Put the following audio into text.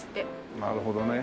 なるほどね。